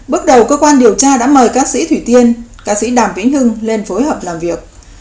bước đầu cơ quan điều tra đã mời ca sĩ thủy tiên ca sĩ đàm vĩnh hưng lên phối hợp làm việc